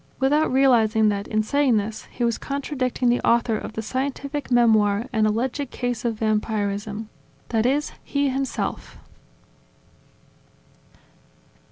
without realizing that, in saying this, he was contradicting the author of the scientific memoir An Alleged Case of Vampirism, that is, he himself.